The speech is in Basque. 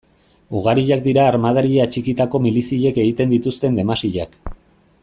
Ugariak dira armadari atxikitako miliziek egiten dituzten desmasiak.